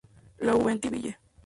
La Hauteville